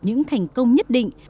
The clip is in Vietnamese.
những thành công nhất định